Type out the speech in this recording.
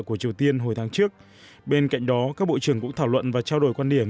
của triều tiên hồi tháng trước bên cạnh đó các bộ trưởng cũng thảo luận và trao đổi quan điểm